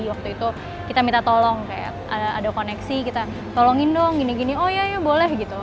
waktu itu kita minta tolong kayak ada koneksi kita tolongin dong gini gini oh ya boleh gitu